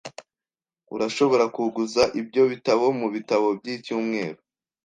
Urashobora kuguza ibyo bitabo mubitabo byicyumweru.